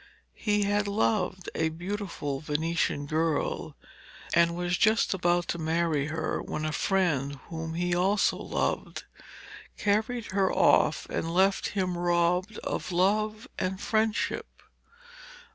He had loved a beautiful Venetian girl, and was just about to marry her when a friend, whom he also loved, carried her off and left him robbed of love and friendship.